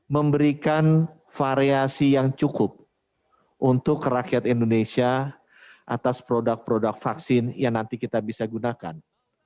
memberikan variasi yang cukup untuk rakyat indonesia atas produk produk vaksin yang nanti kita bisa gunakan